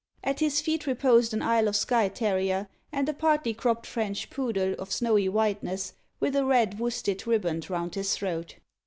At his feet reposed an Isle of Skye terrier, and a partly cropped French poodle, of snowy whiteness, with a red worsted riband round his throat.